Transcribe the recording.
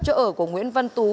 chỗ ở của nguyễn văn tú